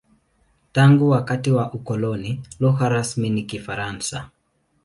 Tangu wakati wa ukoloni, lugha rasmi ni Kifaransa.